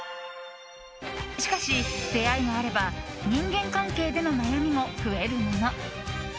しかし、出会いがあれば人間関係での悩みも増えるもの。